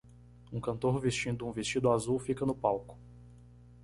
Um cantor vestindo um vestido azul fica no palco.